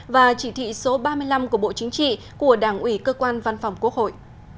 và chỉ thị số ba mươi năm của bộ chính trị của đảng ủy cơ quan văn phòng quốc hội